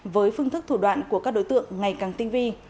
với phương thức thủ đoạn của các đối tượng ngày càng tinh vi